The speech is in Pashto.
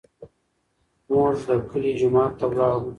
موږ د کلي جومات ته لاړو.